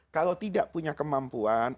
kalau tidak punya kemampuan